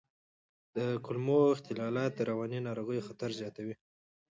د کولمو اختلالات د رواني ناروغیو خطر زیاتوي.